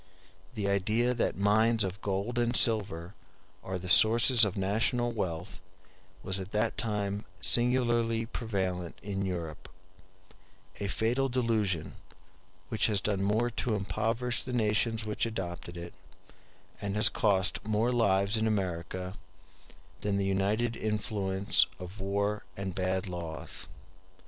The idea that mines of gold and silver are the sources of national wealth was at that time singularly prevalent in Europe; a fatal delusion, which has done more to impoverish the nations which adopted it, and has cost more lives in America, than the united influence of war and bad laws.